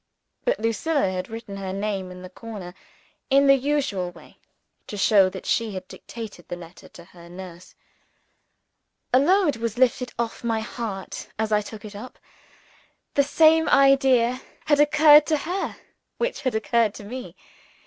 But Lucilla had written her name in the corner in the usual way, to show that she had dictated the letter to her nurse. A load was lifted off my heart as I took it up. The same idea (I concluded) had occurred to her which had occurred to me.